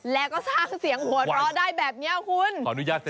แล้วก็จะสร้างเสียงหัวเราะได้แบบนี้